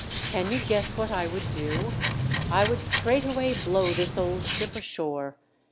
Can you guess what I would do ? I would straightway blow this old ship ashore.